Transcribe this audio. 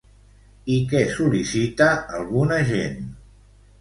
I què sol·licita alguna gent?